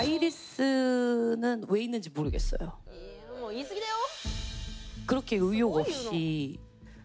言いすぎだよ。